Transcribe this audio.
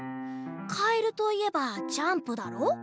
かえるといえばジャンプだろ？